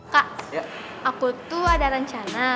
kak aku tuh ada rencana